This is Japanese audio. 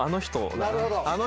なるほど。